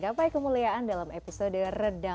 gapai kemuliaan akan kembali sesaat lagi